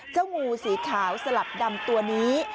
เจ้างูสีขาวสลับดำตัวนี้